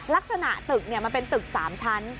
ลักษณะตึกมันเป็นตึก๓ชั้น